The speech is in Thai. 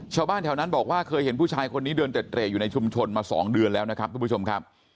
ชาวบ้านแถวนั้นบอกว่าเคยเห็นผู้ชายคนนี้เดินเต็ดเร่อยู่ในชุมชนมา๒เดือนแล้วนะครับทุกผู้ชมครับ